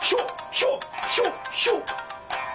ひょ。